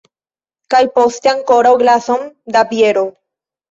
Kaj poste ankoraŭ glason da biero!